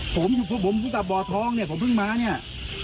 ผมผมภูมิตับบ่อทองเนี่ยผมเพิ่งมาเนี่ย